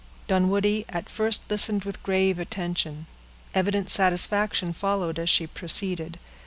Dunwoodie at first listened with grave attention; evident satisfaction followed as she proceeded.